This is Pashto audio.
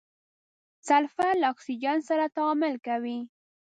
سلفر له اکسیجن سره تعامل کوي.